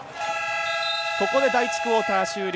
ここで第１クオーター終了。